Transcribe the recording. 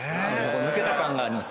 抜けた感があります